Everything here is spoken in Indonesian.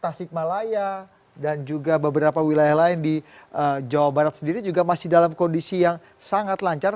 tasik malaya dan juga beberapa wilayah lain di jawa barat sendiri juga masih dalam kondisi yang sangat lancar